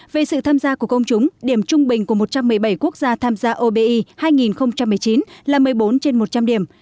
về sự tham gia của công chúng điểm trung bình của một trăm một mươi bảy quốc gia tham gia obi hai nghìn một mươi chín là một mươi bốn trên một trăm linh điểm